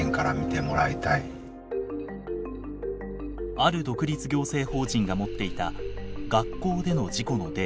ある独立行政法人が持っていた学校での事故のデータ。